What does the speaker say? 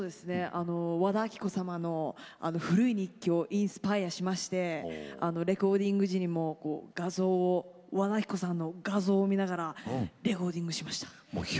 和田アキ子様の「古い日記」をインスパイアしまして、レコーディング時にも和田アキ子様の画像を見ながらレコーディングしました。